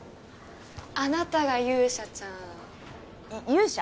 あなたが勇者ちゃん勇者？